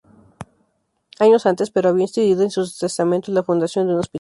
Años antes, pero, había instituido en su testamento la fundación de un hospital.